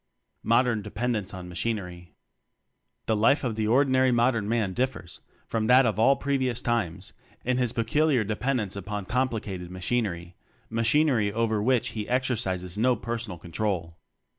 Modern Dependence on Machinery. The life of the ordinary modern man differs from that of all previous times in his peculiar dependence upon complicated machinery machinery over which he exercises no personal control.